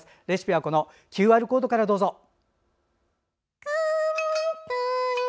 レシピはＱＲコードからどうぞ。